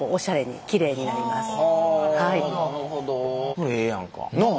これええやんか。なあ？